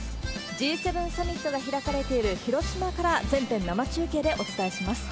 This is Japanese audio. Ｇ７サミットが開かれている広島から、全編生中継でお伝えします。